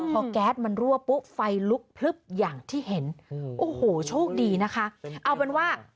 พอแก๊สมันรั่วปุ๊บไฟลุกพลึบอย่างที่เห็นโอ้โหโชคดีนะคะเอาเป็นว่า